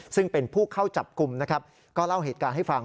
ซึ่งเป็นผู้เข้าจับกลุ่มนะครับก็เล่าเหตุการณ์ให้ฟัง